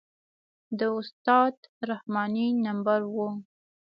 د استاد رحماني نمبر و.